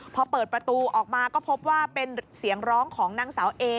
พอเปิดประตูออกมาก็พบว่าเป็นเสียงร้องของนางสาวเอ